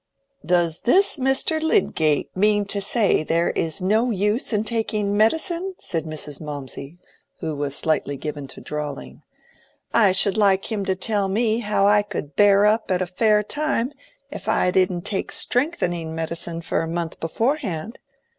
"Does this Mr. Lydgate mean to say there is no use in taking medicine?" said Mrs. Mawmsey, who was slightly given to drawling. "I should like him to tell me how I could bear up at Fair time, if I didn't take strengthening medicine for a month beforehand.